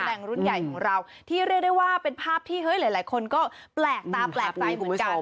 แต่งรุ่นใหญ่ของเราที่เรียกได้ว่าเป็นภาพที่เฮ้ยหลายคนก็แปลกตาแปลกใจเหมือนกัน